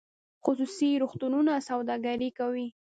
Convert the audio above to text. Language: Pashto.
خصوصي روغتونونه سوداګري کوي